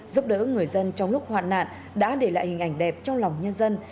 giúp đỡ người dân trong lúc hoạn nạn đã để lại hình ảnh đẹp trong lòng nhân dân